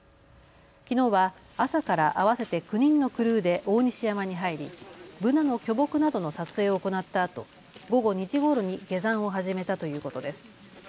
きのうは朝から合わせて９人のクルーで大西山に入りブナの巨木などの撮影を行ったあと、午後２時ごろに下山を始めたということです。